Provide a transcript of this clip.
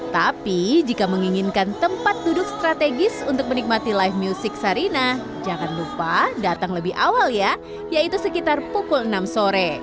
tapi jika menginginkan tempat duduk strategis untuk menikmati live music sarina jangan lupa datang lebih awal ya yaitu sekitar pukul enam sore